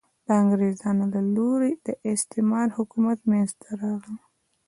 د انګرېزانو له لوري د استعمار حکومت منځته راغی.